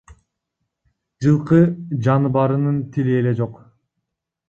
Жылкы жаныбарынын тили эле жок.